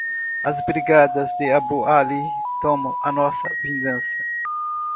As brigadas de Abu Ali tomam a nossa vingança